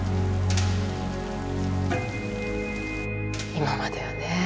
今まではね